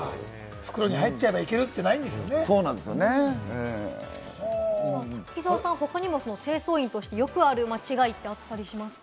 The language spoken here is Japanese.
袋に入っちゃえばいける、滝沢さん、他にも清掃員としてよくある間違いってあったりしますか？